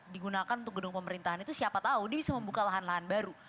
digunakan untuk gedung pemerintahan itu siapa tahu dia bisa membuka lahan lahan baru